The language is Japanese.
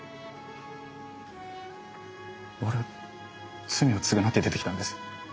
俺罪を償って出てきたんです。